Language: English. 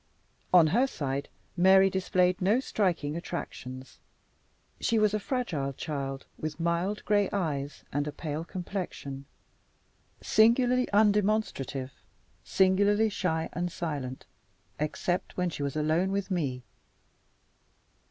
On her side, Mary displayed no striking attractions. She was a fragile child, with mild gray eyes and a pale complexion; singularly undemonstrative, singularly shy and silent, except when she was alone with me.